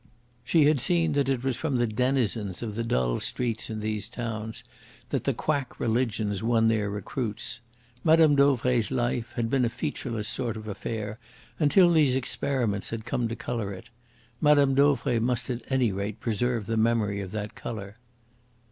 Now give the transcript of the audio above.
She had seen that it was from the denizens of the dull streets in these towns that the quack religions won their recruits. Mme. Dauvray's life had been a featureless sort of affair until these experiments had come to colour it. Madame Dauvray must at any rate preserve the memory of that colour.